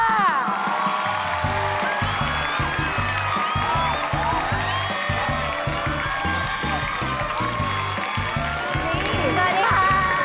สวัสดีค่ะ